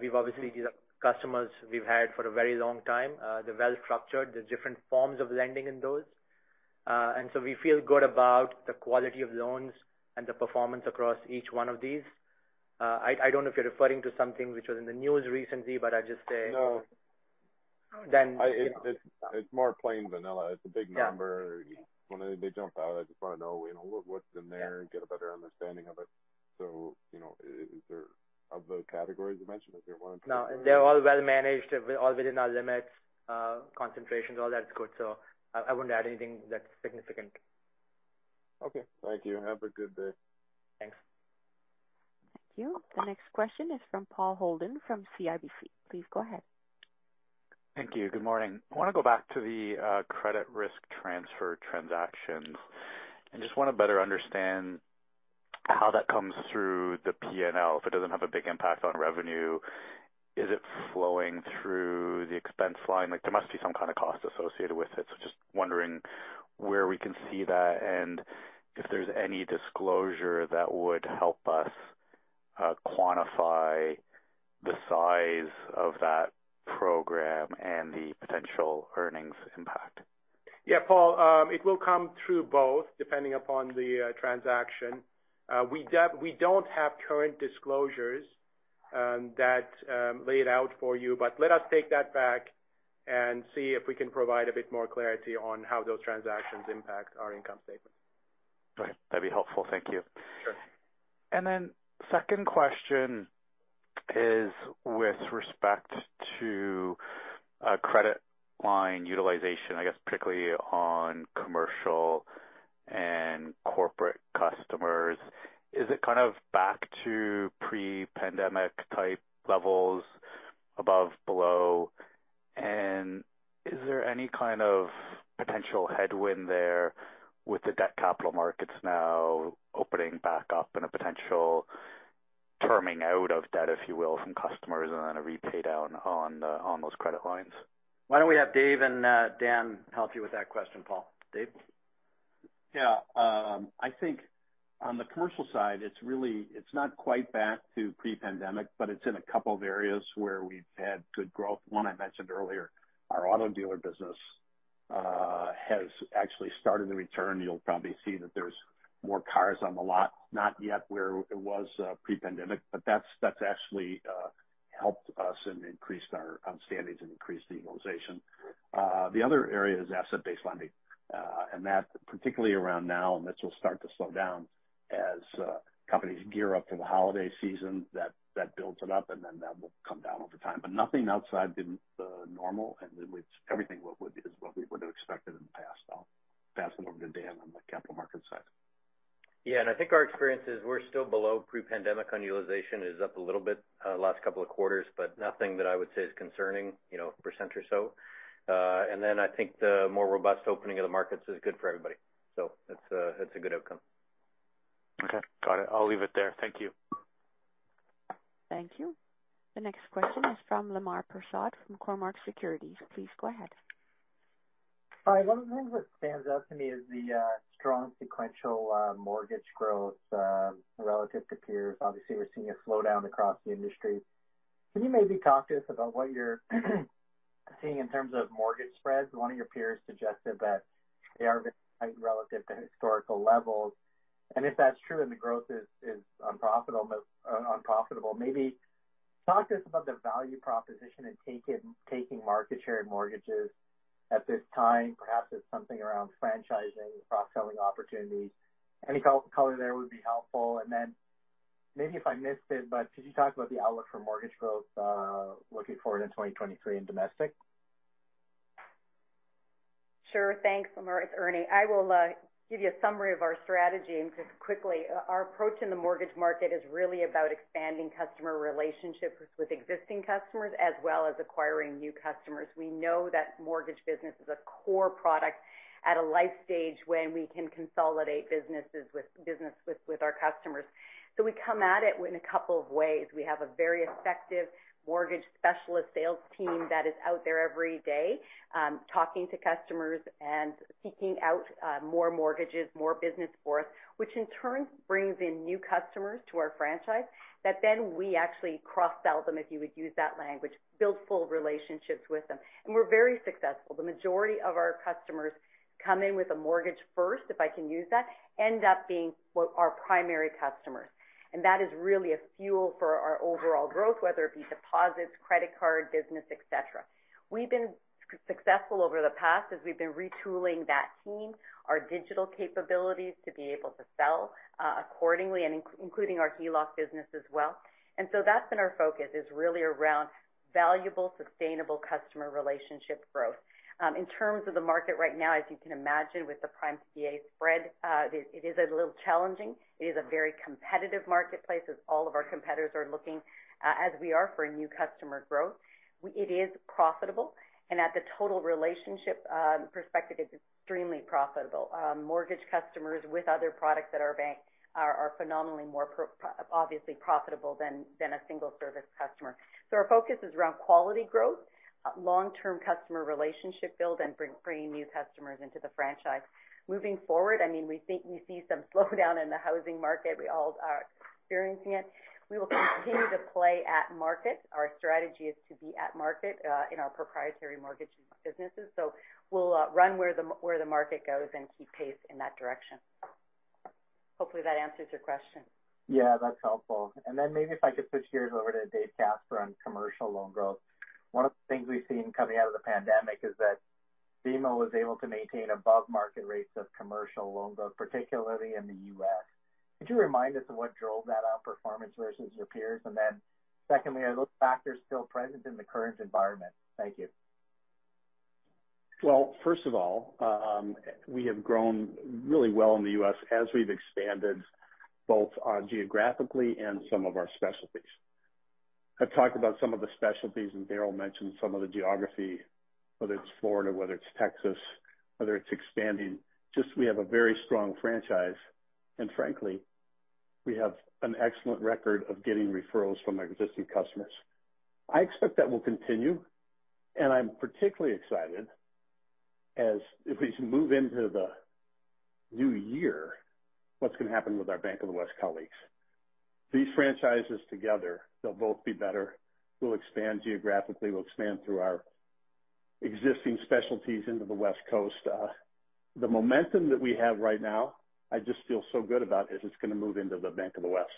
We've obviously these are customers we've had for a very long time. They're well structured. There are different forms of lending in those. We feel good about the quality of loans and the performance across each one of these. I don't know if you're referring to something which was in the news recently, but I'd just say No. Then, It's more plain vanilla. It's a big number. When they jump out, I just want to know, you know, what's in there and get a better understanding of it. You know, of the categories you mentioned, is there one? No. They're all well managed, all within our limits, concentrations, all that is good. I wouldn't add anything that's significant. Okay. Thank you. Have a good day. Thanks. Thank you. The next question is from Paul Holden from CIBC. Please go ahead. Thank you. Good morning. I want to go back to the credit risk transfer transactions. I just want to better understand how that comes through the P&L. If it doesn't have a big impact on revenue, is it flowing through the expense line? Like there must be some kind of cost associated with it. Just wondering where we can see that and if there's any disclosure that would help us quantify the size of that program and the potential earnings impact. Paul, it will come through both depending upon the transaction. We don't have current disclosures that lay it out for you, but let us take that back and see if we can provide a bit more clarity on how those transactions impact our income statement. Okay, that'd be helpful. Thank you. Sure. Second question is with respect to credit line utilization, I guess particularly on commercial and corporate customers. Is it kind of back to pre-pandemic type levels above, below? Is there any kind of potential headwind there with the debt capital markets now opening back up and a potential terming out of debt, if you will, from customers and then a repay down on those credit lines? Why don't we have Dave and Dan help you with that question, Paul. Dave? I think on the commercial side it's not quite back to pre-pandemic, but it's in a couple of areas where we've had good growth. One I mentioned earlier, our auto dealer business has actually started to return. You'll probably see that there's more cars on the lot, not yet where it was pre-pandemic, but that's actually helped us and increased our standings and increased the utilization. The other area is asset-based lending, and that particularly around now, and this will start to slow down as companies gear up for the holiday season. That builds it up and then that will come down over time. Nothing outside the normal and everything is what we would have expected in the past. I'll pass it over to Dan on the capital markets side. Yeah. I think our experience is we're still below pre-pandemic on utilization. It is up a little bit, last couple of quarters, but nothing that I would say is concerning, you know, percent or so. I think the more robust opening of the markets is good for everybody. It's a, it's a good outcome. Okay, got it. I'll leave it there. Thank you. Thank you. The next question is from Lemar Persaud from Cormark Securities. Please go ahead. Hi. One of the things that stands out to me is the strong sequential mortgage growth relative to peers. Obviously, we're seeing a slowdown across the industry. Can you maybe talk to us about what you're seeing in terms of mortgage spreads? One of your peers suggested that they are relative to historical levels, and if that's true and the growth is unprofitable, maybe talk to us about the value proposition in taking market share in mortgages at this time. Perhaps it's something around franchising, cross-selling opportunities. Any color there would be helpful. Maybe if I missed it, but could you talk about the outlook for mortgage growth looking forward in 2023 in domestic? Sure. Thanks, Lemar. It's Ernie. I will give you a summary of our strategy and just quickly. Our approach in the mortgage market is really about expanding customer relationships with existing customers as well as acquiring new customers. We know that mortgage business is a core product at a life stage when we can consolidate business with our customers. We come at it in a couple of ways. We have a very effective mortgage specialist sales team that is out there every day, talking to customers and seeking out more mortgages, more business for us, which in turn brings in new customers to our franchise that then we actually cross-sell them, if you would use that language, build full relationships with them. We're very successful. The majority of our customers come in with a mortgage first, if I can use that, end up being what our primary customers. That is really a fuel for our overall growth, whether it be deposits, credit card business, et cetera. We've been successful over the past as we've been retooling that team, our digital capabilities to be able to sell accordingly and including our HELOC business as well. That's been our focus, is really around valuable, sustainable customer relationship growth. In terms of the market right now, as you can imagine with the prime-CDOR spread, it is a little challenging. It is a very competitive marketplace as all of our competitors are looking as we are for new customer growth. It is profitable and at the total relationship perspective, it's extremely profitable. Mortgage customers with other products at our bank are phenomenally more obviously profitable than a single service customer. Our focus is around quality growth, long-term customer relationship build and bringing new customers into the franchise. Moving forward, I mean, we think we see some slowdown in the housing market. We all are experiencing it. We will continue to play at market. Our strategy is to be at market in our proprietary mortgage businesses. We'll run where the market goes and keep pace in that direction. Hopefully, that answers your question. Yeah, that's helpful. Maybe if I could switch gears over to David Casper on commercial loan growth. One of the things we've seen coming out of the pandemic is that BMO was able to maintain above market rates of commercial loan growth, particularly in the U.S. Could you remind us of what drove that outperformance versus your peers? Secondly, are those factors still present in the current environment? Thank you. Well, first of all, we have grown really well in the U.S. as we've expanded both geographically and some of our specialties. I've talked about some of the specialties, Darryl mentioned some of the geography, whether it's Florida, whether it's Texas, whether it's expanding, just we have a very strong franchise. Frankly, we have an excellent record of getting referrals from our existing customers. I expect that will continue. I'm particularly excited as if we move into the new year, what's going to happen with our Bank of the West colleagues. These franchises together, they'll both be better. We'll expand geographically. We'll expand through our existing specialties into the West Coast. The momentum that we have right now, I just feel so good about, is it's going to move into the Bank of the West.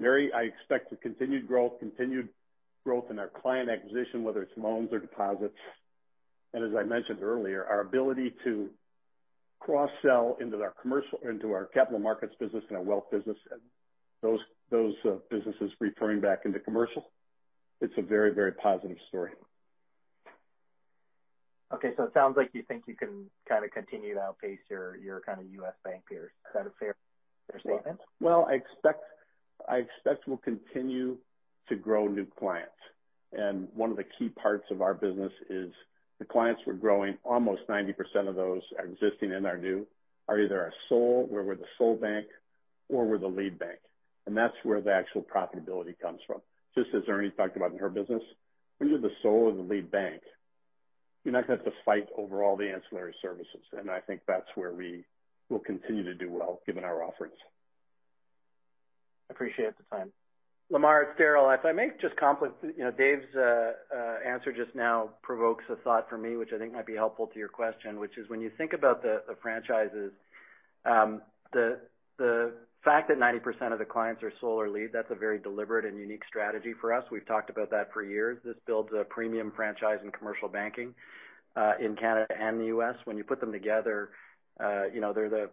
I expect continued growth in our client acquisition, whether it's loans or deposits. As I mentioned earlier, our ability to cross-sell into our commercial into our Capital Markets business and our Wealth business, those businesses returning back into commercial. It's a very, very positive story. Okay. It sounds like you think you can kind of continue to outpace your kind of U.S. bank peers. Is that a fair statement? Well, I expect we'll continue to grow new clients. One of the key parts of our business is the clients we're growing, almost 90% of those are existing and are new, are either a sole, where we're the sole bank or we're the lead bank. That's where the actual profitability comes from. Just as Ernie talked about in her business, when you're the sole or the lead bank, you're not going to have to fight over all the ancillary services. I think that's where we will continue to do well given our offerings. Appreciate the time. Lemar, it's Darryl. If I may just complement, you know, Dave's answer just now provokes a thought for me, which I think might be helpful to your question, which is when you think about the franchises, the fact that 90% of the clients are sole or lead, that's a very deliberate and unique strategy for us. We've talked about that for years. This builds a premium franchise in commercial banking in Canada and the U.S. When you put them together, you know, they're the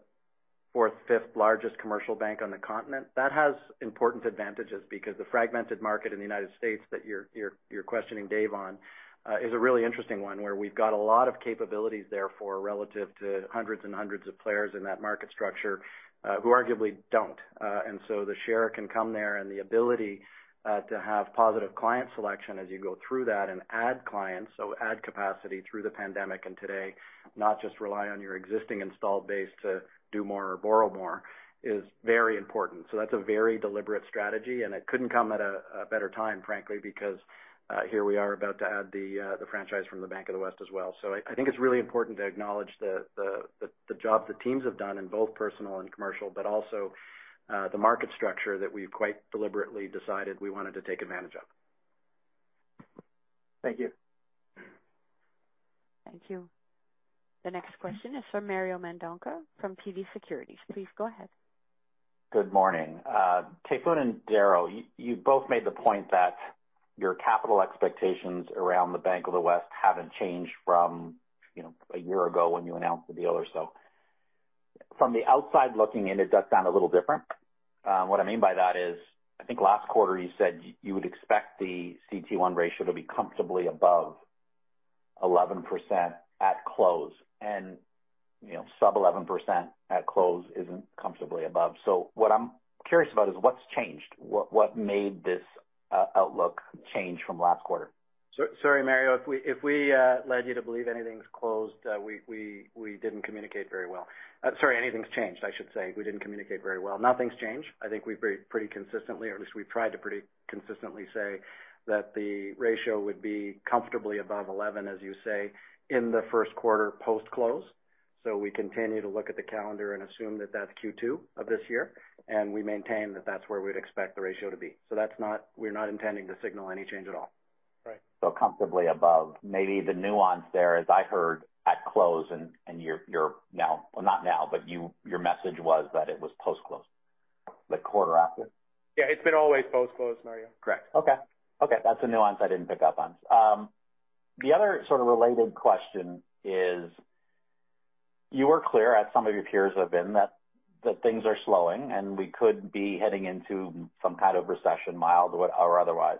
fourth, fifth largest commercial bank on the continent. That has important advantages because the fragmented market in the United States that you're questioning Dave on is a really interesting one where we've got a lot of capabilities there for relative to hundreds and hundreds of players in that market structure who arguably don't. The share can come there and the ability to have positive client selection as you go through that and add clients, so add capacity through the pandemic and today, not just rely on your existing installed base to do more or borrow more is very important. That's a very deliberate strategy, and it couldn't come at a better time, frankly, because here we are about to add the franchise from the Bank of the West as well. I think it's really important to acknowledge the job the teams have done in both personal and commercial, but also the market structure that we've quite deliberately decided we wanted to take advantage of. Thank you. Thank you. The next question is from Mario Mendonca from TD Securities. Please go ahead. Good morning. Tayfun and Darryl, you both made the point that your capital expectations around the Bank of the West haven't changed from, you know, a year ago when you announced the deal or so. From the outside looking in, it does sound a little different. What I mean by that is, I think last quarter you said you would expect the CET1 ratio to be comfortably above 11% at close and, you know, sub 11% at close isn't comfortably above. What I'm curious about is what's changed. What made this outlook change from last quarter? Sorry, Mario, if we led you to believe anything's closed, we didn't communicate very well. Sorry, anything's changed, I should say, we didn't communicate very well. Nothing's changed. I think we've pretty consistently, or at least we've tried to pretty consistently say that the ratio would be comfortably above 11, as you say, in the Q1 post-close. We continue to look at the calendar and assume that that's Q2 of this year, and we maintain that that's where we'd expect the ratio to be. We're not intending to signal any change at all. Right. Comfortably above, maybe the nuance there, as I heard at close and you're now... Well, not now, but your message was that it was post-close, the quarter after. Yeah. It's been always post-close, Mario. Correct. Okay. Okay, that's a nuance I didn't pick up on. The other sort of related question is, you were clear, as some of your peers have been, that things are slowing and we could be heading into some kind of recession, mild or otherwise.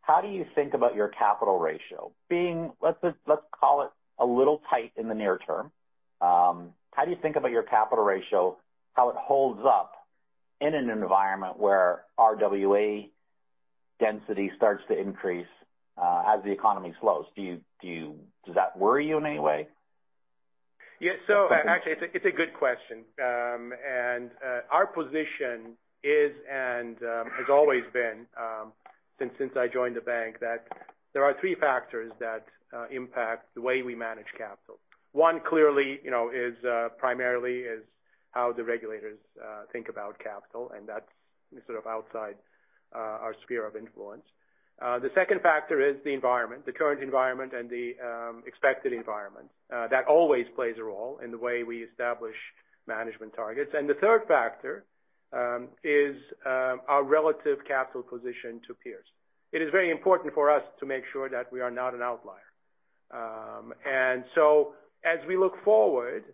How do you think about your capital ratio being, let's call it a little tight in the near term? How do you think about your capital ratio, how it holds up in an environment where RWA density starts to increase, as the economy slows? Does that worry you in any way? Yeah. Actually it's a good question. Our position is and has always been since I joined the bank that there are three factors that impact the way we manage capital. One, clearly, you know, is primarily how the regulators think about capital, and that's sort of outside our sphere of influence. The second factor is the environment, the current environment and the expected environment. That always plays a role in the way we establish management targets. The third factor is our relative capital position to peers. It is very important for us to make sure that we are not an outlier. As we look forward,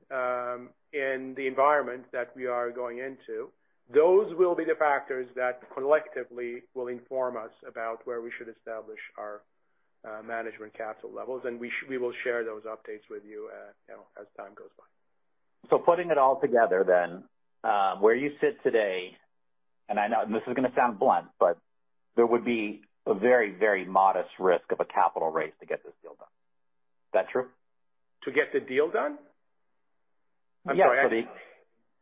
in the environment that we are going into, those will be the factors that collectively will inform us about where we should establish our management capital levels. We will share those updates with you know, as time goes by. Putting it all together then, where you sit today, and I know this is going to sound blunt, but there would be a very, very modest risk of a capital raise to get this deal done. Is that true? To get the deal done? I'm sorry.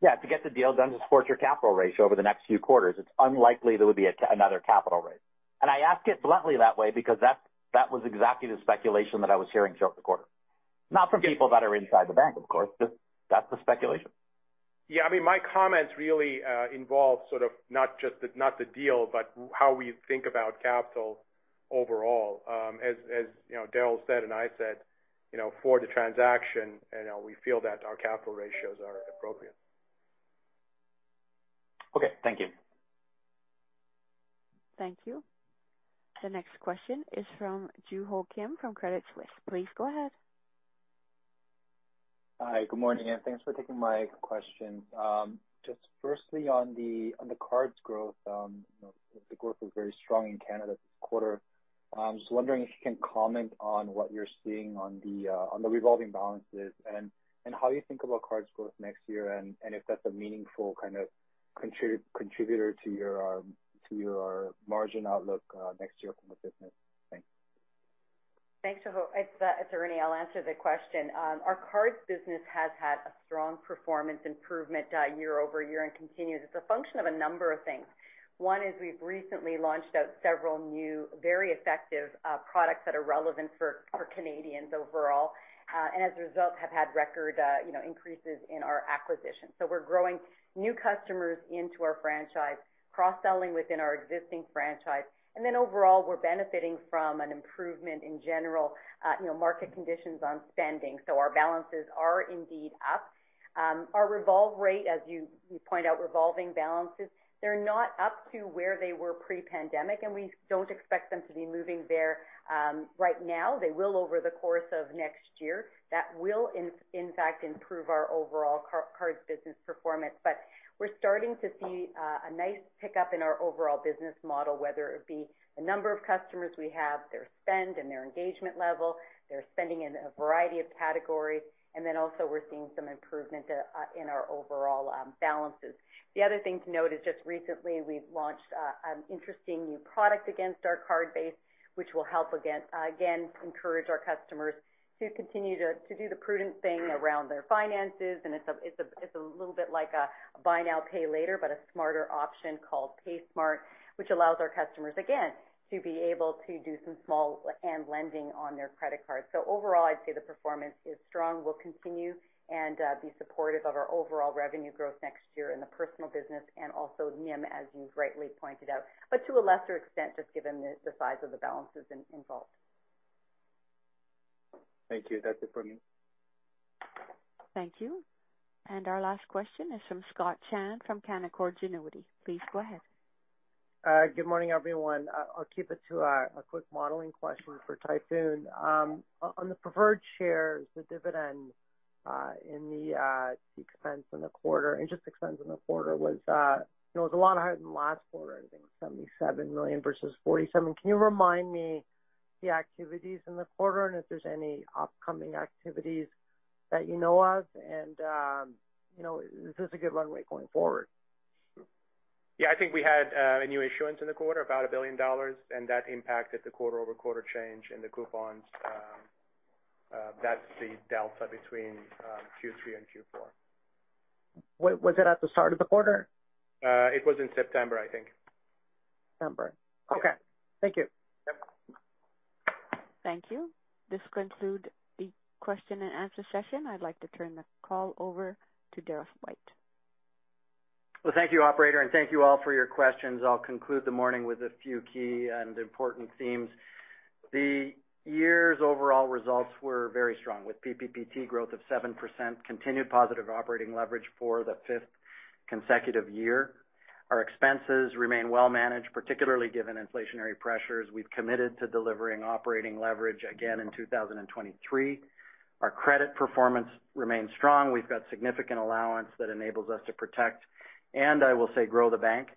Yeah. To get the deal done to support your capital ratio over the next few quarters, it's unlikely there would be another capital raise. I ask it bluntly that way because that was exactly the speculation that I was hearing throughout the quarter. Not from people that are inside the bank, of course, but that's the speculation. Yeah. I mean, my comments really involve sort of not just the, not the deal, but how we think about capital overall. As, you know, Darryl said, and I said, you know, for the transaction and, we feel that our capital ratios are appropriate. Okay. Thank you. Thank you. The next question is from Joo-Ho Kim from Credit Suisse. Please go ahead. Hi, good morning, and thanks for taking my question. Just firstly on the, on the cards growth, the growth was very strong in Canada this quarter. Just wondering if you can comment on what you're seeing on the, on the revolving balances and how you think about cards growth next year and if that's a meaningful kind of contributor to your margin outlook, next year for the business. Thanks. Thanks, Joo-Ho. It's Ernie. I'll answer the question. Our cards business has had a strong performance improvement year-over-year and continues. It's a function of a number of things. One is we've recently launched out several new very effective products that are relevant for Canadians overall, and as a result, have had record, you know, increases in our acquisition. We're growing new customers into our franchise, cross-selling within our existing franchise. Overall, we're benefiting from an improvement in general, you know, market conditions on spending. Our balances are indeed up. Our revolve rate as you point out, revolving balances, they're not up to where they were pre-pandemic, and we don't expect them to be moving there right now. They will over the course of next year. That will in fact, improve our overall cards business performance. But we're starting to see a nice pickup in our overall business model, whether it be the number of customers we have, their spend and their engagement level, they're spending in a variety of categories. Also we're seeing some improvement in our overall balances. The other thing to note is just recently we've launched an interesting new product against our card base, which will help again encourage our customers to continue to do the prudent thing around their finances. It's a little bit like a buy now, pay later, but a smarter option called BMO PaySmart, which allows our customers again to be able to do some small and lending on their credit card. So overall, I'd say the performance is strong. We'll continue and be supportive of our overall revenue growth next year in the personal business and also NIM, as you've rightly pointed out, but to a lesser extent, just given the size of the balances involved. Thank you. That's it from me. Thank you. Our last question is from Scott Chan from Canaccord Genuity. Please go ahead. Good morning, everyone. I'll keep it to a quick modeling question for Tayfun. On the preferred shares, the dividend, in the interest expense in the quarter was, you know, it was a lot higher than last quarter, I think 77 million versus 47 million. Can you remind me the activities in the quarter and if there's any upcoming activities that you know of? Is this a good runway going forward? I think we had a new issuance in the quarter, about 1 billion dollars, and that impacted the quarter-over-quarter change in the coupons. That's the delta between Q3 and Q4. Was it at the start of the quarter? It was in September, I think. September. Okay. Thank you. Yep. Thank you. This conclude the Q&A session. I'd like to turn the call over to Darryl White. Well, thank you, operator, and thank you all for your questions. I'll conclude the morning with a few key and important themes. The year's overall results were very strong, with PPPT growth of 7%, continued positive operating leverage for the fifth consecutive year. Our expenses remain well managed, particularly given inflationary pressures. We've committed to delivering operating leverage again in 2023. Our credit performance remains strong. We've got significant allowance that enables us to protect, and I will say grow the bank.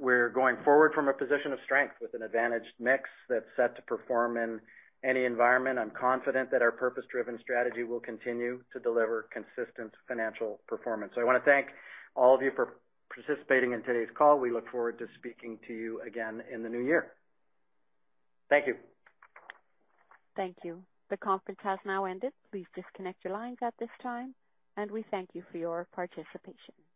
We're going forward from a position of strength with an advantaged mix that's set to perform in any environment. I'm confident that our purpose-driven strategy will continue to deliver consistent financial performance. I wanna thank all of you for participating in today's call. We look forward to speaking to you again in the new year. Thank you. Thank you. The conference has now ended. Please disconnect your lines at this time. We thank you for your participation.